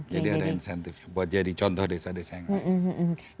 jadi ada insentifnya buat jadi contoh desa desa yang lain